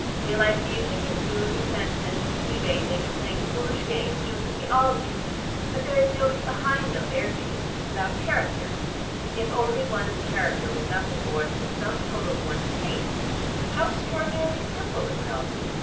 They like music and food and sentiment and sea bathing and playing foolish games, just as we all do. But there is nobody behind them: they are tastes without character. If only one's character was nothing more than the sum total of one's tastes, how extraordinarily simple it would all be.